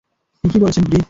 ঠিকই বলেছেন, ব্রি।